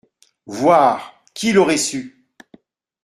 Voire, qui l’aurait su !